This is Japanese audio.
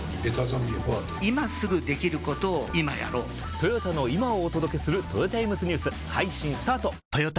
トヨタの今をお届けするトヨタイムズニュース配信スタート！！！